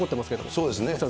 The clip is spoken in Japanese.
そうですね。